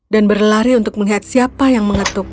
dan berlari untuk melihat siapa yang mengetuk